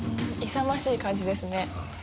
勇ましい感じですね。